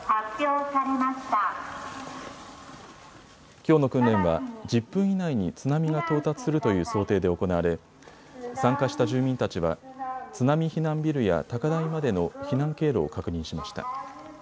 きょうの訓練は１０分以内に津波が到達するという想定で行われ参加した住民たちは津波避難ビルや高台までの避難経路を確認しました。